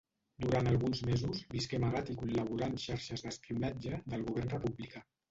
Durant alguns mesos visqué amagat i col·laborà en les xarxes d'espionatge del govern republicà.